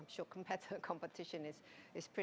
saya yakin pertempuran kompetitornya agak keras